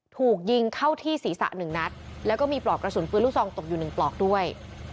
ถูกยิงเข้าที่ศีรษะหนึ่งนัดแล้วก็มีปลอกกระสุนปืนลูกซองตกอยู่๑ปลอกด้วย